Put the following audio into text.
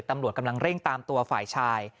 ตำรวจกำลังเร่งตามตัวฝ่ายชาย